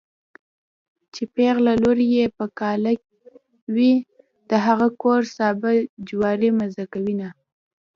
چې پېغله لور يې په کاله وي د هغه کور سابه جواری مزه کوينه